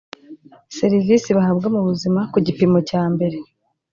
serivisi bahawa mu buzima ku gipimo cyambere